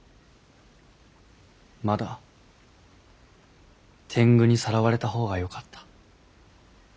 まだ天狗にさらわれたほうがよかった。